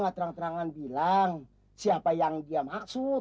terang terangan bilang siapa yang dia maksud